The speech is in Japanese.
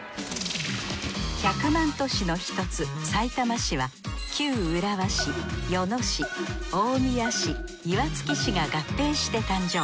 １００万都市の１つさいたま市は旧浦和市与野市大宮市岩槻市が合併して誕生。